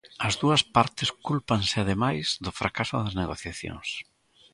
As dúas partes cúlpanse ademais do fracaso das negociacións.